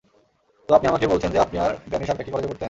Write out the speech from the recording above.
তো আপনি আমাকে বলছেন যে আপনি আর ড্যানি শার্প একই কলেজে পড়তেন?